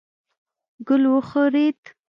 ګل وښورېد.